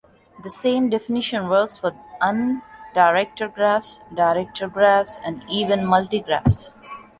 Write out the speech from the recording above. The same definition works for undirected graphs, directed graphs, and even multigraphs.